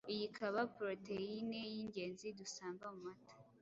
iyi ikaba poroteyine y’ingenzi dusanga mu mata,